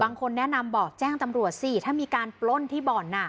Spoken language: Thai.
บางคนแนะนำบอกแจ้งตำรวจสิถ้ามีการปล้นที่บ่อน